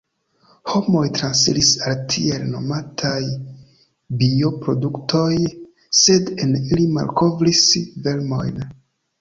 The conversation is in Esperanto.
Homoj transiris al tiel nomataj bioproduktoj – sed en ili malkovris vermojn.